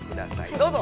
どうぞ！